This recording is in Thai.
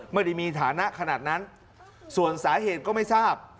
ไม่ได้มีฐานะขนาดนั้นส่วนสาเหตุก็ไม่ทราบ